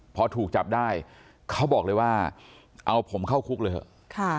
พอถูกจับได้เขาบอกเลยว่าเอาผมเข้าคุกเลยเถอะ